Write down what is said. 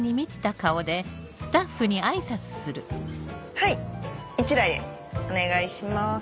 はい１台でお願いします。